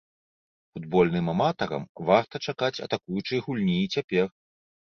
Футбольным аматарам варта чакаць атакуючай гульні і цяпер.